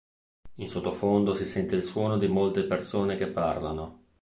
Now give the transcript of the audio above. In sottofondo si sente il suono di molte persone che parlano.